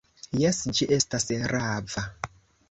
Jes, ĝi estas rava!